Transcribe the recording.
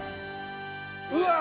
うわ！